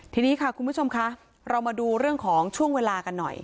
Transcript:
ทีนี้ค่ะคุณผู้ชมคะเรามาดูเรื่องของช่วงเวลากันหน่อย